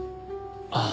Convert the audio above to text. ああ。